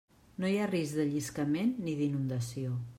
No hi ha risc de lliscament ni d'inundació.